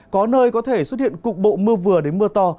có nơi có thể xuất hiện cục bộ mưa vừa đến mưa to